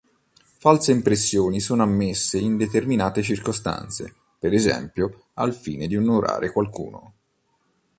False impressioni sono ammesse in determinate circostanze, per esempio, al fine di onorare qualcuno.